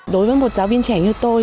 đối với một giáo viên trẻ như tôi